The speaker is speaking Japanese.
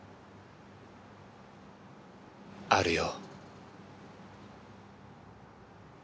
あるよ。